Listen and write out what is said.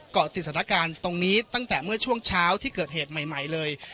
เกาะติดสถานการณ์ตรงนี้ตั้งแต่เมื่อช่วงเช้าที่เกิดเหตุใหม่เลย